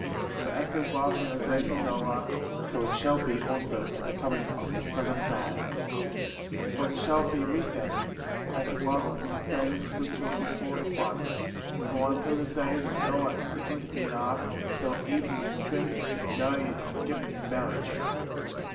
41. But as it was in the days of Noah, so it shall be also at the coming of the Son of Man ; 42. For it shall be with them, as it was in the days which were before the flood; for until the day that Noah entered into the ark they were eating and drinking, marrying and giving in marriage; 43.